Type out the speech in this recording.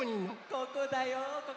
ここだよここ！